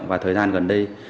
và thời gian gần đây